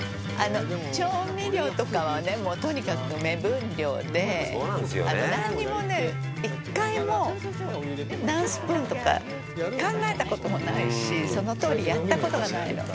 「調味料とかはねとにかく目分量でなんにもね一回も何スプーンとか考えた事もないしそのとおりやった事がないの」